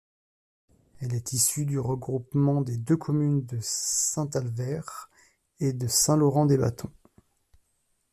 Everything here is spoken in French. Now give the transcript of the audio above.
Elle est issue du regroupement des deux communes de Sainte-Alvère et de Saint-Laurent-des-Bâtons.